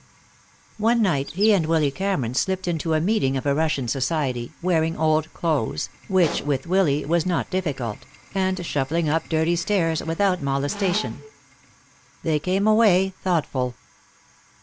One night he and Willy Cameron slipped into a meeting of a Russian Society, wearing old clothes, which with Willy was not difficult, and shuffling up dirty stairs without molestation. They came away thoughtful.